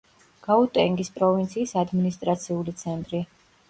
გაუტენგის პროვინციის ადმინისტრაციული ცენტრი.